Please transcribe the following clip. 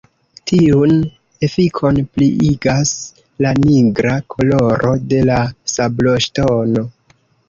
Tiun efikon pliigas la nigra koloro de la sabloŝtono.